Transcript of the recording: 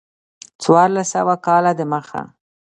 څوارلس سوه کاله د مخه.